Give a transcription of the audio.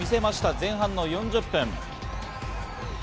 前半の４０分。